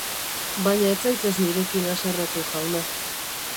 Baina ez zaitez nirekin haserretu, jauna.